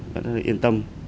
vẫn rất yên tâm